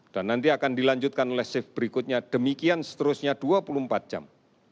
dan nanti akan dilanjutkan oleh shift berikutnya demikian seterusnya dua puluh empat jam